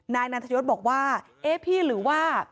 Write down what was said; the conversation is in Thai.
นายนันทยศบอกว่าเอ๊ะพี่หรือว่า